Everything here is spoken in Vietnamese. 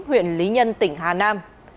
huyện lý nhân tỉnh hà nam